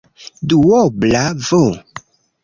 duobla v